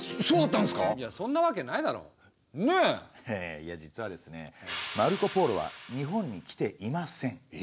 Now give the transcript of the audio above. いや実はですねマルコ＝ポーロは日本に来ていません。